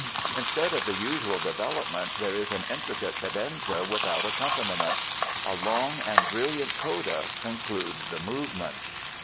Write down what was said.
Instead of the usual development there is an intricate cadenza without accompaniment. A long and brilliant coda concludes the movement.